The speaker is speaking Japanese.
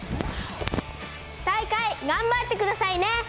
大会頑張ってくださいね。